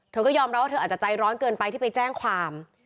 เธอก็ยอมรับว่าเธออาจจะใจร้อนเกินไปที่ไปแจ้งความ